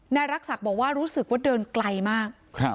นายรักษักบอกว่ารู้สึกว่าเดินไกลมาก